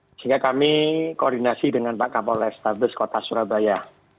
sehingga kami koordinasi dengan pak kapol restabes kota surabaya